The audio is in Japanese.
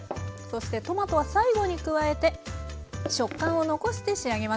そしてトマトは最後に加えて食感を残して仕上げましょう。